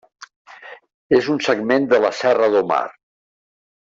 És un segment de la Serra do Mar.